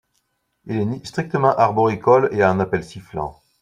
Il est strictement arboricole et a un appel sifflant.